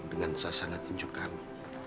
dengan sasana tinjuk kami